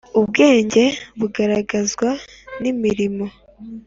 Ubwenge bugaragazwa n imirimo